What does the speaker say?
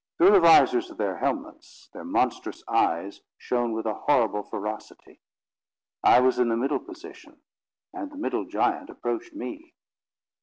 Through the visors of their helmets their monstrous eyes shone with a horrible ferocity. I was in the middle position, and the middle giant approached me.